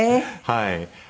はい。